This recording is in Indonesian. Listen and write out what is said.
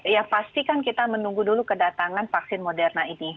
ya pastikan kita menunggu dulu kedatangan vaksin moderna ini